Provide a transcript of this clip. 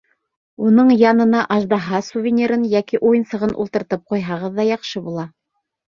Уның янына Аждаһа сувенирын йәки уйынсығын ултыртып ҡуйһағыҙ ҙа яҡшы була.